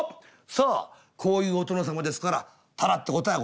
さあこういうお殿様ですからただって事はございません。